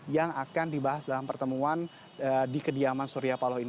yang akan dibahas dalam pertemuan di kediaman surya paloh ini